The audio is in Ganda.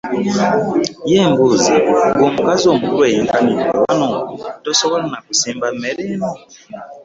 Ye mbuuza gwe omukazi omukulu eyenkanidde wano tosobola na kusiba mmere eno?